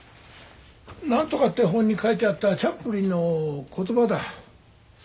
何とかって本に書いてあったチャップリンの言葉だ。